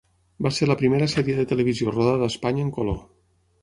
Va ser la primera sèrie de televisió rodada a Espanya en color.